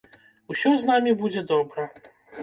Усё з намі будзе добра!